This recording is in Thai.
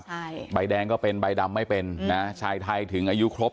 ใช่ใบแดงก็เป็นใบดำไม่เป็นนะชายไทยถึงอายุครบ